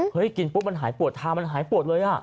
เฮ้ยหายปวดทามันปวดเลย